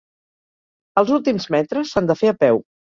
Els últims metres s'han de fer a peu.